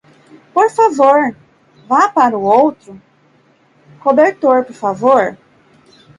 Por favor, vá para outro cobertor, por favor?